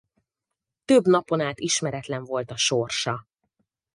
Több napon át ismeretlen volt a sorsa.